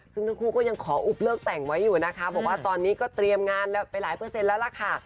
ซึ่งทั้งคู่ก็ยังขออุบเลิกแต่งไว้อยู่นะคะบอกว่าตอนนี้ก็เตรียมงานแล้วไปหลายเปอร์เซ็นต์แล้วล่ะค่ะ